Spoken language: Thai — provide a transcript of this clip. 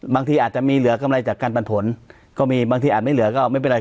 บางทีอาจจะมีเหลือกำไรจากการปันผลก็มีบางทีอาจไม่เหลือก็ไม่เป็นไร